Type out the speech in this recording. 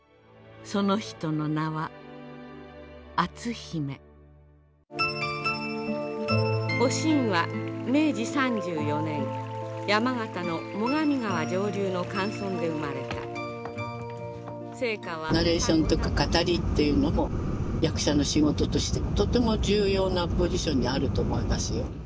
その人の名は篤姫おしんは明治３４年山形の最上川上流の寒村で生まれたナレーションとか語りっていうのも役者の仕事としてとても重要なポジションにあると思いますよ。